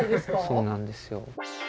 そうなんですよ。